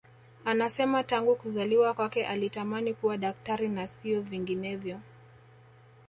Anasema tangu kuzaliwa kwake alitamani kuwa daktari na sio vinginevyo